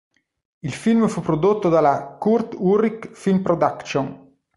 Il film fu prodotto dalla Kurt Ulrich Filmproduktion.